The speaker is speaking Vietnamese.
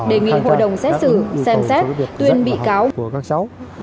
đề nghị hội đồng xét xử xem xét tuyên bị cáo